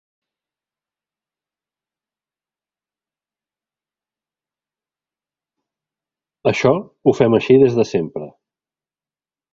Això ho fem així des de sempre.